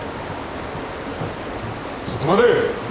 ちょっと待て！